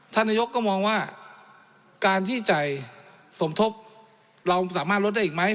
นายกก็มองว่าการที่จ่ายสมทบเราสามารถลดได้อีกไหม